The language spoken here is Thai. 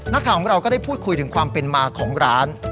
นักข่าวของเราก็ได้พูดคุยถึงความเป็นมาของร้าน